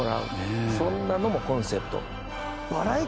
そんなのもコンセプト。